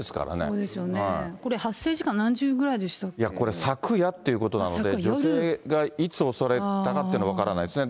そうですよね、これ、これ、昨夜っていうことなので、女性がいつ襲われたかっていうのは分からないですね。